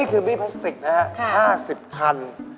นี่คือมีพลาสต็อคสติกนะคะ๕๐คัน